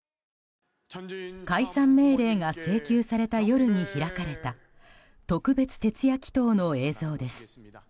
解散命令が請求された夜に開かれた特別徹夜祈祷の映像です。